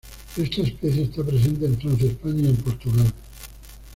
Esta especie está presente en Francia, España y en Portugal.